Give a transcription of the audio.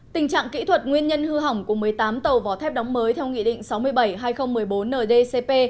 tình trạng kỹ thuật nguyên nhân hư hỏng của một mươi tám tàu vỏ thép đóng mới theo nghị định sáu mươi bảy hai nghìn một mươi bốn ndcp